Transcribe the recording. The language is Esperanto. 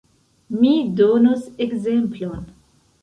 Mi donos ekzemplon.